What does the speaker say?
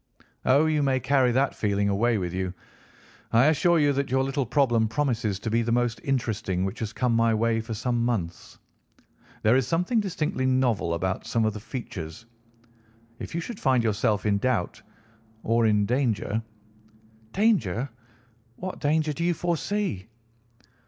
"Oh, you may carry that feeling away with you. I assure you that your little problem promises to be the most interesting which has come my way for some months. There is something distinctly novel about some of the features. If you should find yourself in doubt or in danger—" "Danger! What danger do you foresee?"